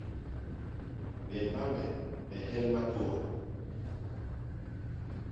Bemba me, me nhel matôa.